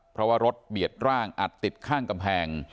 เพราะว่ารถเบียดร่างอัดติดข้างกำแพง